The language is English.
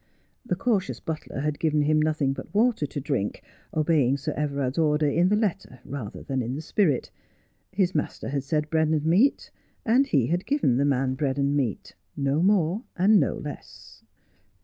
The cautious butler had given him nothing but water to drink, obeying Sir Everard's order in the letter rather than the spirit. His master had said bread and meat, and he had given the man bread and meat, no more and no less.